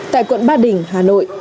tại quận ba đình hà nội